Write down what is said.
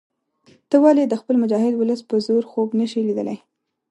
ته ولې د خپل مجاهد ولس په زور خوب نه شې لیدلای.